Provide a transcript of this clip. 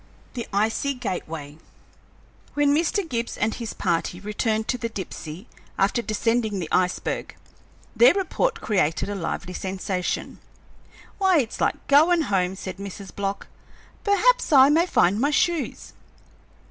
THE ICY GATEWAY When Mr. Gibbs and his party returned to the Dipsey, after descending the iceberg, their report created a lively sensation. "Why, it's like goin' home," said Mrs. Block. "Perhaps I may find my shoes."